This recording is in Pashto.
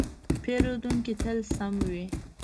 پیرودونکی تل سم وي.